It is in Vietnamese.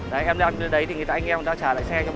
đấy em đeo đến đấy thì anh em trả lại xe cho mình